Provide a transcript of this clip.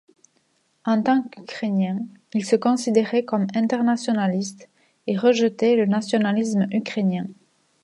En tant qu'Ukrainien, il se considérait comme internationaliste et rejetait le nationalisme ukrainien.